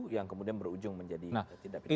yang kemudian berujung menjadi tidak pidana